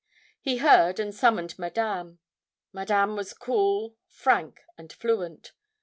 He heard and summoned Madame. Madame was cool, frank, and fluent.